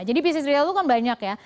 jadi bisnis retail itu kan banyak ya